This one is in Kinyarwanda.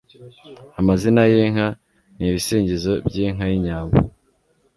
Amazina y'inka ni ibisingizo by'inka y'inyambo